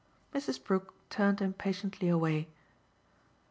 Mrs. Brook turned impatiently away.